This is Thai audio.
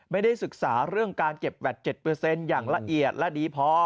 ไม่ได้ศึกษาเรื่องการเก็บแวด๗อย่างละเอียดและดีพอ